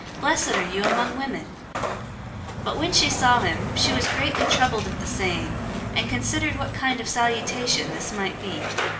Blessed are you among women!" 001:029 But when she saw him, she was greatly troubled at the saying, and considered what kind of salutation this might be.